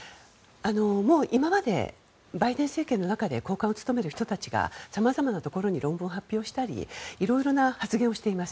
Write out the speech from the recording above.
もう今までバイデン政権の中で高官を務める人たちがさまざまなところに論文を発表したりいろいろな発言をしています。